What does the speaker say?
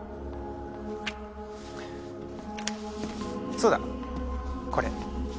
そうだこれ。